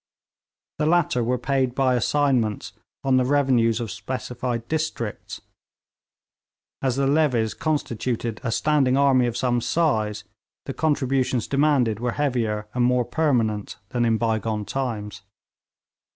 The latter were paid by assignments on the revenues of specified districts; as the levies constituted a standing army of some size, the contributions demanded were heavier and more permanent than in bygone times.